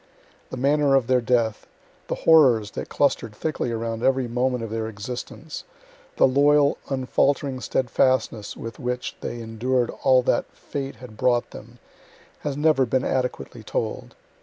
The manner of their death, the horrors that cluster'd thickly around every moment of their existence, the loyal, unfaltering steadfastness with which they endured all that fate had brought them, has never been adequately told.